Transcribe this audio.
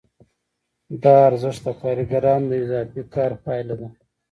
دا ارزښت د کارګرانو د اضافي کار پایله ده